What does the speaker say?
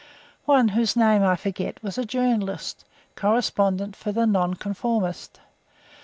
One, whose name I forget, was a journalist, correspondent for the 'Nonconformist'.